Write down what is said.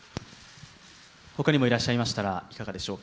ほかにもいらっしゃいましたら、いかがでしょうか。